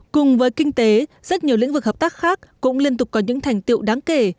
cùng với kinh tế rất nhiều lĩnh vực hợp tác khác cũng liên tục có những thành tiệu đáng kể